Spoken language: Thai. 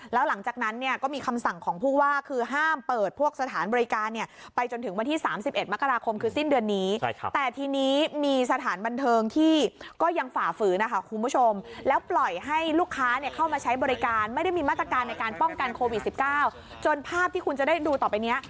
แล้วหลังจากนั้นเนี่ยก็มีคำสั่งของผู้ว่าคือห้ามเปิดพวกสถานบริการเนี่ยไปจนถึงวันที่๓๑มกราคมคือสิ้นเดือนนี้